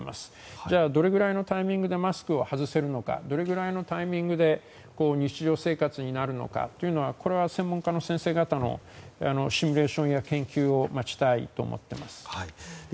じゃあどれくらいのタイミングでマスクを外せるのかどれぐらいのタイミングで日常生活になるのかというのは専門家の先生方のシミュレーションや研究を待ちたいと思っています。